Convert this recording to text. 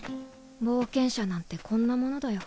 冒険者なんてこんなものだよ。